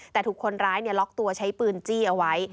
แต่ถูกคนร้ายล็อกตัวใช้ปืนจี้เอาไว้